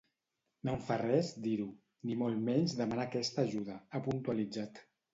“No em fa res dir-ho, ni molt menys demanar aquesta ajuda”, ha puntualitzat.